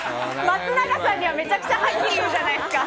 松永さんには、めちゃくちゃはっきり言うじゃないですか！